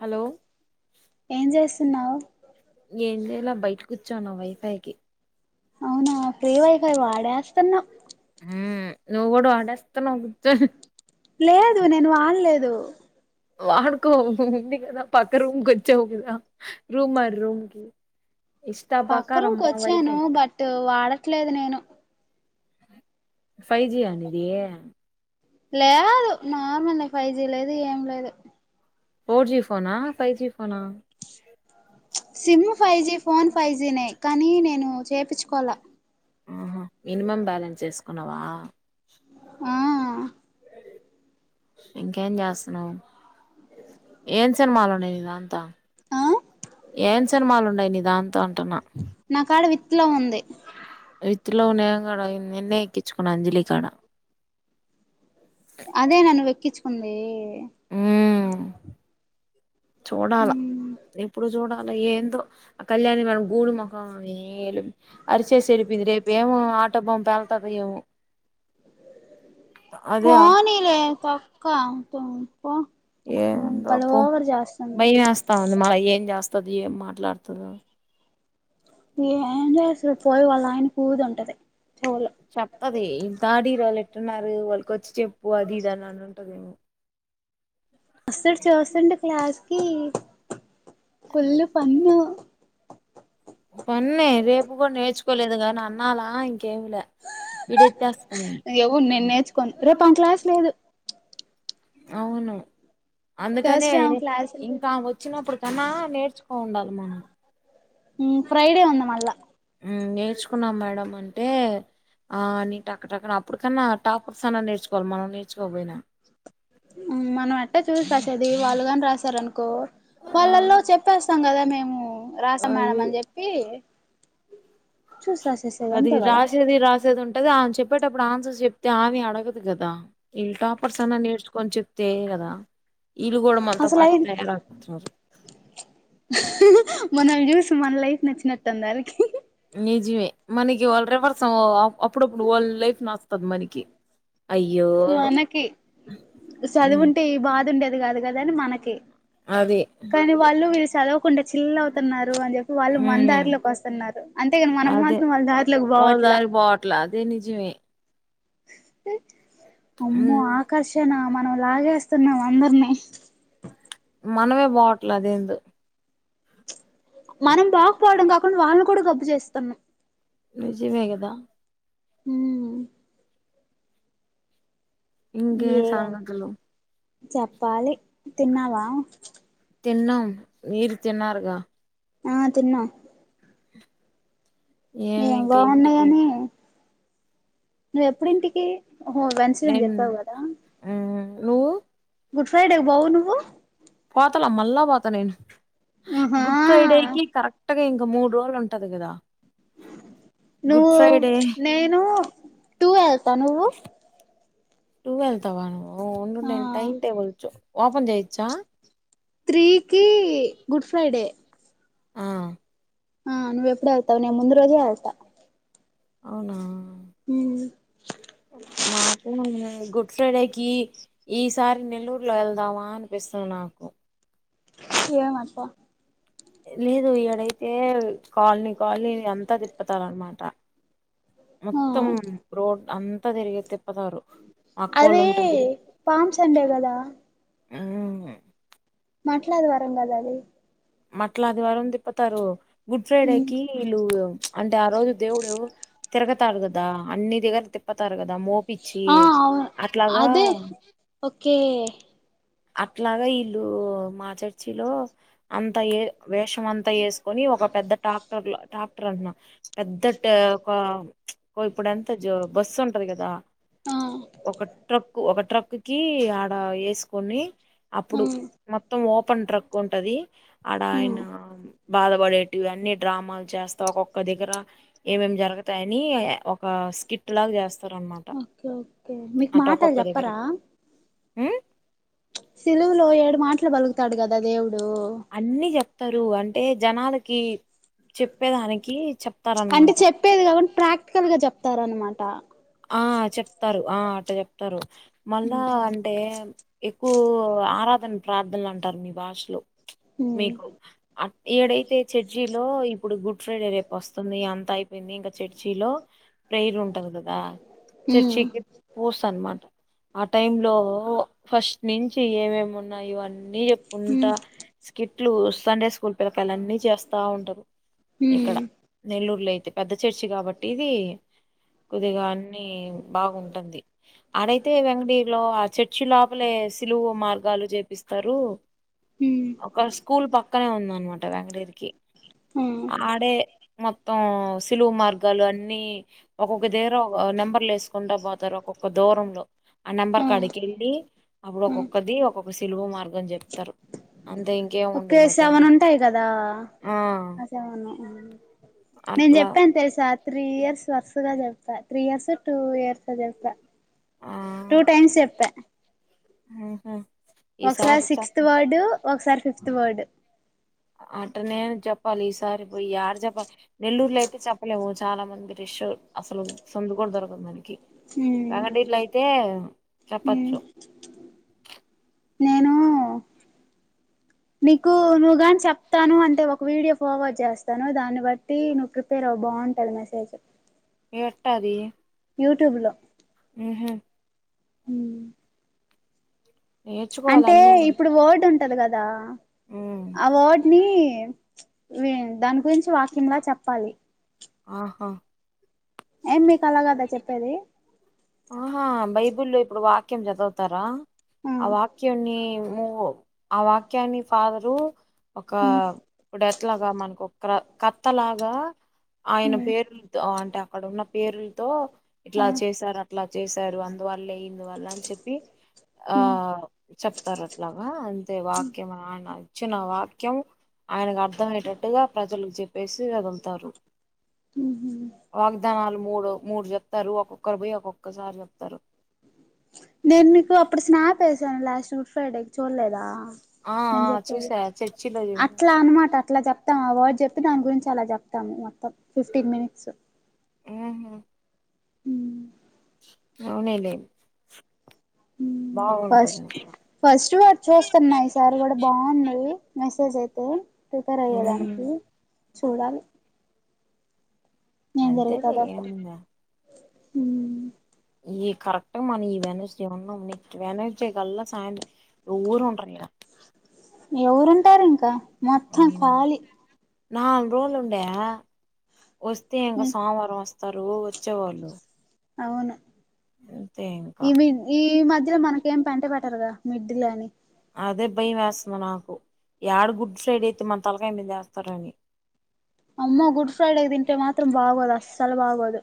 hello ఏం చేస్తున్నావు ఏం చేయాలా బై కూర్చోనా వైఫైకి అవునా ఫ్రీ వై ఫై వాడేస్తున్నాం నువ్ కూడా వాడేస్తున్నావ్ లేదు నేను వాడలేదు దా పక్క రూం కొచ్చావ్ కదా రూమ్ మార్ రూమ్కి పక్క రూంకి వైఫై వచ్చాను బట్ వాడ ట్లేదు నేను ఫైవ్ జి ఆ నీది లేదు నార్మలే ఫైవ్ జీ లే దు ఏం లేదు పోర్ జీ ఫోన్ ఆ ఫైవ్ జీ ఫోనా SIM five G phone five G నే కానీ నేను చేపించుకోవాలా ఆహా మినిమం బ్యాలెన్స్ చేసుకున్నావా ఆ ఇంకేం చేస్తున్నావ్ ఏన్ సినిమాలున్నాయి నిదాంత ఆ ఏం సినిమాలు ఉన్నాయి నీ దాంతో అంటున్నా నా కాడ విత్ లవ్ ఉంది విత్ లవ్ నెన్ కూడ నిన్నే ఎక్కించుకున్నా అంజలి కాడ అదేనా నువ్వెక్కిచు ఉందే ఉహ్మ్ చూడాల ఇప్పుడు చూడాలి ఏందో ఆ కళ్యాణి మనం గూడి మోఖం అరిచేసి వెళ్ళిపోయింది రేపు ఏమో ఆటమ్ బామ్ పెళ్తది ఏమో అదే పోనీలే తొక్క త ఏందోపో చేస్తుంది భయం ఎస్తా ఉంది మా ఏన్ జేస్తది ఏం మాట్లాడుతదో ఏం జేస్తది పోయి వాళ్ళ ఆయన పూదుంటది చెప్ ప్పది ఇల్ థర్డ్ ఇయర్ ఒళ్ళు ఎట్టూనారు వాళ్ళకి వచ్చి చెప్పు అది ఇది అని అని ఉంటదేమో వస్తడు చూస్తుండు క్లాస్ కి ఫుల్ ఫన్నూ పన్నే రేపు కూడా నేర్చుకోలేదు కానీ అన్నాలా ఇంకేంలే ఏమో నేను నేర్చుకోను రేపు మనకి క్లాస్ లేదు అవును అందుకనే థర్స్డే ఆమె క్లాస్ ఇంకా వచ్చినప్పుడు కన్నా నేర్చుకో ఉండాలి ఉ ఉ ఫ్రైడే ఉంది మళ్ళ నేర్చుకున్నాం మేడం అంటే ఆ నేక్కక్కన అప్పటికన్నా టాపర్ మనం ఎట్ట చూసి పట్టది వాళ్ళుగాని రాసారు అనుకో ఆ, వాళ్ళల్లో చెప్పేస్తాం కదా మేము రాసాం మేడమ్ అది అని చెప్పి చూసి రాసేసేది అది అంతే కదా రాసేది రాసేది ఉం అంటది ఆయ చెప్పేటప్పుడు ఆన్సర్స్ చెప్తే ఆమె అడగదు కదా ఇళ్లు టాపర్స్ అన్నా నేర్చుకొని చెప్తే కదా ఇళ్ళు కూడా మనతో పాటు తయారవుతున్నారు మనల్ని చూసి మనలైఫ్ నచ్చినట్టుందానికి నిజమే మనకి వాళ్ళ రివర్స్ అప్పుడప్పుడు వాళ్ళ లైఫ్ నాస్తాధి మనకి అయ్యో మనకి మ్ చదువుంటే ఈ బాధ ఉండేది కాదు కదని మనకి అదే కానీ వాళ్ళు విసారా చిల్ల అవుతున్నారు అని చెప్పి వాళ్ళు మన మ్ దారిలోకి వస్తున్నారు అంతేగాని మనం అదే మాత్రం వాళ్ళ దారిలోకి వాళ్ళ పోవట్లా దారి పోవట్లా అదే నిజమే స అమ్మో మ్ ఆకర్షణ ఆమె మనం లాగేస్తున్నాం అందరినీ మనమే పోవట్ల అదేందో మనం పోకపోవడం కాకుండా వాళ్ళని కూడా గబ్బు చేస్తున్నాం నిజమే కదా హమ్ ఇంకేం ఏం సంగతులు చెప్పాలి తిన్నావా తిన్నాం మీరు తిన్నారుగా ఆ తిన్న ఏమి ఏం ఇంకా ఇంటికి బాగున్నాయని నువ్వెప్పుడింటికి ఒహో వెన్సివని చెప్పావు కదా నుూ గుడ్ ఫ్రైడే బౌను పాతలా మళ్ళా పాత నేను ఆహా గుడ్ ఫ్రైడే కి కరెక్ట్ గా ఇంకా మూడు రోజులు ఉంట కదు కదా గుడ్ నువ్వు ఫ్రైడే నేను టూ వెల్త నువ్వు టుూ వెళ్తవ నువు ఓ ఉ ఆ టై టేబుల్ ఓపన్ చేయిచ్చా త్రీకి గుడ్ ఫ్రైడే ఆ నువ్వ ఎప్పుడ ముందు రోజే వెళ్తా అవునా మాకు గుడ్ ఫ్రైడేకి ఈసారి నెల్లూరులో వెళ్దామా అని విస్తు నాకు ఏం అట్ట లేదు ఈడ డైతే కాలనీ కాలనీ అంతా తిప్పతారు అనమాట ఆ మొత్తం రోడ్ అంతా తిరిగిే తిప్పతారు మక్కో వాళ్ళు అదే ఉంటారు పామ్ సండే కదా ఆ మట్లాదు వరంగద అది అ మట్లా అదివారం దిప్ప తరు గుడ్ ఉమ్ ఫ్రైడేకి వీళ్ళు అంటే ఆ రోజు దేవుడు తిరగతారు కదా అన్ని దగ్గర తిప్పతారు కదా మోపచ్చి ఆ అవును అట్లాగా అదే ఓకే అట్లాగా విల్లు మా చర్చిలో అంతా ఏ వేషం అంతా వేసుకొని ఒక పెద్ద ట్రాక్టర్ ట్రాక్టర్ అంటున్నా పెద్ద ఒక ఇప్పుడంత బస్సు ఉంటది కదా ఆ ఒక ట్రక్ ఒక ట్రక్కిి వేసు కొన్ని అప్పుడు ఉమ్ మొత్తం ఓ ప్పని్రక్కు ఉంటుంది ఆడ ఉమ్ ఆయన బాధపడేటివి అన్నీ డ్రామాలు చేస్తా ఒక్కొక్క దగ్గర ఏమేం జరుగుతాయని ఒక స్కిట్ లాగా చేస్తారు అనమాట ఓకే ఓకే మీకు మాటలు చెప్పరా ఆ సిలువులో ఏడు మాటలు బలుగుతాడు కదా దేవుడు అన్నిీ చెప్ స్తారు అంటే జనాలకి చెప్పేదానికి అంటే చెప్తారనమాట చెప్పేది కాబట్టి ప్రాక్టికల్ గా చెప్తారనమాట ఆ చెప్తారు ఆ ఆట చెప్తారు మళ్ళా అంటే ఎక్కువ ఆరాధన ప్రార్థనలు అంటరు మీ భాషలో ఉమ్ మీకు అ ఈడైతే చర్చి లో ఇప్పుడు గుడ్ ఫ్రైడే రేపు వస్తుంది అంత అయ్ ఇంక చర్చిలో ప్రేర్ ఉంటది ఉమ్ చర్చ్కి పూస అనమాట ఆ టైమ్ లో ఫస్ట్ నుంచి ఏమేమి ఉన్నాయో ఆన్నీ చెప్పుకుంటా స్కిట్లు సండే స్కూల్ పిలకాయల్ అన్ని చేస్తా ఉంటరు హమ్ నెల్లూరులో అయితే పెద్ద చర్చి కాబట్టి ఇది కొద్దిగా అన్నిీ బాగుంటుంది ఆడైతే వెంకటగిరిలో ఆ చర్చి లోపలే సిలువు మార్గాలు చేపిస్తారు ఒక స్కూల్ పక్కనే ఉంద అనమాట వెంకటగిరికి ఆడే మొత్తం సిలువు మార్గాలు అన్నిీ ఒకొ ఒక దేర నెంబర్లు వేసుకుంటా పోతారు ఒక్కొక్క దూరంలో ఆ నెంబర్ క అడికి వెళ్ళి అప్పుడు ఒక్కొక్కది ఒక్కొక్క సలువు మార్గం చెప్తారు అంతే ఇంకా ఒకఓే సెవెన్ ఉంటాయి కదా ఆ సెవెన్ నేను అట్లా చెప్పాను తెలుసా త్రీ ఇయర్స్ వరుసగా చెను త్రీ ఇయర్స్ టూ ఇయర్స్ ఒ జెప్ప ఆ టూ టైమ్స్ చెప్పా హమ్ హా ఒకసారి సిక్స్త్ వర్డు ఒకసారి ఫిఫ్త్ వర్డు అట్టనే జెప్ చెప్పాలి ఈసారి పోయి యాడ చెప్ప నెల్లూరులో అయితే చెప్పలేవు చాలా మంది రష్షు అసలు సందు కూడ దొరకదు మనకి రంగడీట్లో అయితే చెప్పచ్చు నేను నీకు నువ్వు గానీ చెప్తాను అంటే ఒక వీడియో ఫార్వర్డ్ చేస్ తను దాను బట్టి నువు ప్రిపేర్ అవ్ బాం ట్టను మసేజు ఎట్ట అది యూటుబ్ లో ఉహు హమ్ నేర్చుకోవాలి అంటే అన్నీ ఇప్పుడు వర్డ్ ఉంటది కదా ఉమ్ ఆ వర్డ్ ని ప్చ్ వీ దన్ గురించి వాక్యంల చెప్పాలి ఆహా ఏం మీక్ అలగాద చెప్పేది ఆహా బైబుల్ల్లో ఇప్పుడు వాక్యం చదువుతరా ఆ వాక్యన్ని నువ్వు ఆ వాక్యాన్ని ఫాదర్ రు ఒక ఉమ్ ఇప్పుడ ఎట్ లాగా మనకు క కత్త లాగా ఆయన ఉమ్ పేరులతో అంటే అక్కడ ఉన్న పేరులతో ఆ ఇట్లా చేశారు చేశారు అందువల్ల ఇందువల్ల అని చెప్పి ఆ ఉమ్ చెప్తారు అట్లాగా అంతే వాక్యం చ్చనా వాక్యం ఆయనకు అర్థ అయ్యటట్టుగా ప్రజలు చెప్పేసి వదులుతారు ఉహు వాగ్దానాలు మూడు మూడు చెప్తారు ఒక్కొక్కరు పోయి ఒక్కొక్కరు ఒకజారి చెప్తారు నేను నీకు అప్పుడు స్నాప్ ఎస్సాము లాస్ట్ గుడ్ ఫ్రైడే చూడలేదా ఆ నేను ఆ చెప్పేది చూసా చర్చిలో చూ అట్లా అనమాట అట్లా చెప్తాం ఆ వర్డ్ చెప్పి దాని గురించి అలా చెప్తాం ము మొత్తం ఫిఫ్టీన్ మినిట్స్ ఆహ హ అవునేలె ఫస్ట్ ఫస్ట్ వాడు చూస్తున్నాయి సార్ కూడా బాగుంది మెసేజ్ అయితే ప్రిపేర్ అయ్యేదానికి చూడాలి ఏం అంతేలే జరుగుతదో అప్పటికి ఇంకేంఉంది ఆడ ఈ కరెక్ట్గా మన ఈ వెడ్నెస్దే ఉన్నాం నెక్స్ట్ వెడ్నెస్డే కళ్ళ సాం ఎవరుంటారు ఇంకా మొత్తం ఖాళీ నాలుగు రోజులు ఉండే వస్తే ఇంకా సోమవారం వస్త తరు వచ్చేవాళ్ళు అవును అంతే ఇంకా ఈ ఈ మధ్యలో మనకేం పెంట పెట్టరుగా మిడ్ లని అదే భయం వేస్తుంది నాకు ఏడ గుడ్ ఫ్రైడే అయితే మన తలకాయి మీద వేస్తారని అమ్మ గుడ్ ఫ్రైడే తింటే మాత్ర త్రం బాగోదు అస్సలు బగోదు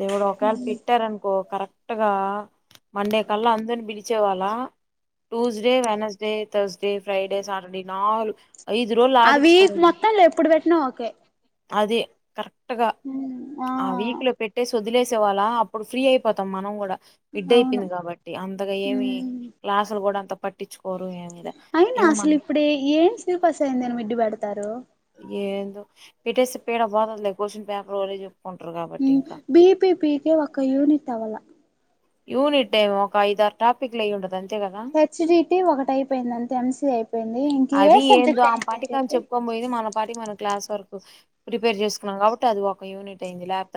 దేవుడు ఒకేళ పెట్టార అనుకో కరెక్ట్ కరెక్టుగా మండే కల్లా అందని పిలిచేవాళ్ళ Tuesday Wednesday Thursday Friday Saturday నాలుగు ఐదు రోజులు ఆ ఆడించుకో వీక్ మొత్తంలో ఎప్పుడు పెట్టినా ఓకే ఆది కరెక్ట్ గా ఆ వీక్ లో పెట్టేసి వదిలేసే వాళ్ళ అప్పుడు ఫ్రీ అయిపోతాం మనం కూడా మిడ్ అయిపోయింది కాబట్టి అంతగా ఏమి అవును క్లాసులు కూడా అంత పట్టించుకోరు ఏమిద అయినా ఇ మ అసలు తారు ఏందొ పెట్టేస్తే పీడ పోతదిలే క్వశ్చన్ పేపర్ వాళ్లే చెప్పుకుంటారు కాబట్టి ఇంకా బీపీపీకే ఒక యూనిట్ అవ్వాల యూనిట్ టైం ఒక ఐదారు టాపిక్ లయి ఉండదు అంతే కదా హెచ్ డిటి ఒకటి అయిపోయిందంతే ఎంస అయిపోంది అది ఏందో ఆమె పాటికిని చెప్పుకో పోయింది మన పాటికి మన క్లాస్ వర్కు ప్రిపేర్ చేసుకున్నా కాబట్టి అ ఒక యూనిట్ అయింది లాప్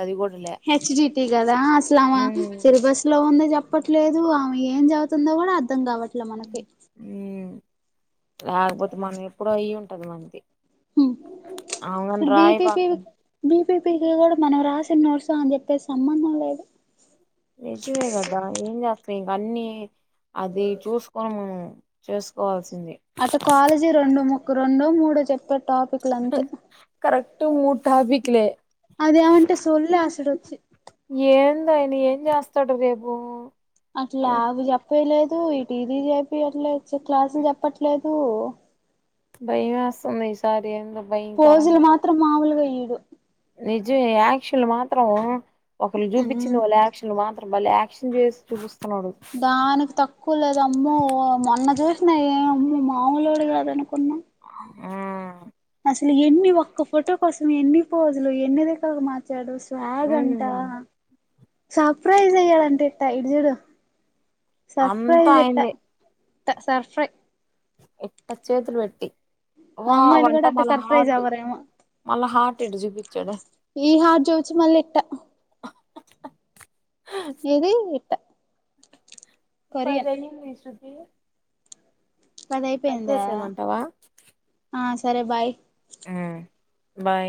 హెచ్‌డీటీ కదా అసలు ఆమె సిలబస్ లో ఉంద చెప్పట్లేదు ఆమె ఏం చెపుతుందో కూడా అర్ధం కావట్లే మనకి రాకపోతే మనం ఎప్పుడో అయ్యి ఉంట టార్ మంది ఉమ్ బీపీపీ పాకం బీపీపీకి కూడా మనం రాసిన నోర్సు ఆమె చెప్పేది సంబంధం లేదు నిజమేగదా ఏం చేస్తాం ఇంక అన్ని అది చూసుకొని మేము చేసుకోవాల్సింది ఒక రెండో మూడో చెప్ప టాపిక్లు అంతే కరెక్ట్ మూడు టాపిక్లే అదేమంటే సొల్లే ఆసడొచ్చి ఏందాయనా ఏం చేస్తాడు రేపు అట్లా అవి పోయలేదు ఇటు ఇది చెప్పియ్యట్లేదు క్లాసులు చెప్పట్లేదు భయమేస్తుంది ఈ సారి పోజులు మాత్రం మామూలుగా ఇయ్యడు నిజు ఈ యాక్చువల్ మాత్రం ఒకళ్లు చూపించింది వాళ్ళ యాక్షన్లు మాత్రం మళ్లీ యాక్షన్ చేసి చూపిస్తా దానికి తక్కువ లేదు అమ్మో మొన్న చూసిన ఏ అమ్మో మామూలోడు కాదనుకున్నా హు అసలు ఎన్ని ఒక్క ఫోటో కోసం ఎన్ని పోజులు ఎన్నిదిక్కులకి మరు చెడు స్వాగ్ ఉమ్ అంటవా సర్ప్రైజ్ అయ్యాలంట ఇట్ట ఇటుజూడు అంతా సర్ప్రైజ్ ఎట్టా ఆయన్నే సర్ప్రైస్ ఇట్టచేతులు పెట్టి వావ్ అమ్మాయిలు అంట కూడా అట్టా మళ్ళ సర్ప్రైజ్ హార్ట్ అవ్వారేమ మళ్ళా హార్ట్ ఇటు చూపించాడు ఈ హార్ట్ చూచ్చి మళ్ళీ ఇట్టా హా హా ఏది ఇట్టా పది అయింది శృతి కట్ పదయిపోయింద చేసేయమంటావా ఆ సరే బాయ్ ఉమ్ బాయ్